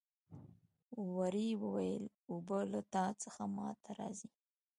وري وویل اوبه له تا څخه ما ته راځي.